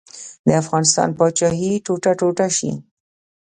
د افغانستان پاچاهي ټوټه ټوټه شي.